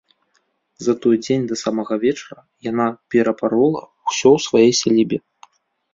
За той дзень, да самага вечара, яна перапарола ўсё ў сваёй сялібе.